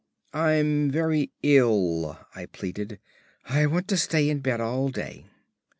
"I'm very ill," I pleaded; "I want to stay in bed all day."